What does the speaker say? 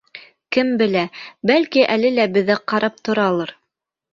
Кем белә, бәлки, әле лә беҙҙе ҡарап торалыр.